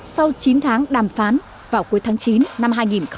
sau chín tháng đàm phán vào cuối tháng chín năm hai nghìn một mươi tám